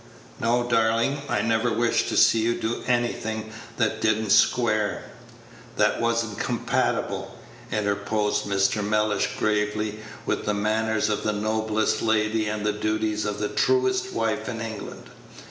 "No, darling, I'd never wish to see you do anything that did n't square that was n't compatible," interposed Mr. Mellish gravely, Page 86 "with the manners of the noblest lady, and the duties of the truest wife in England.